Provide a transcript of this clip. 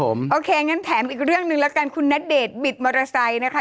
โอเคงั้นแถมอีกเรื่องหนึ่งแล้วกันคุณณเดชน์บิดมอเตอร์ไซค์นะคะ